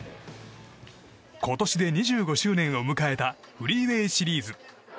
今年で２５周年を迎えたフリーウェー・シリーズ。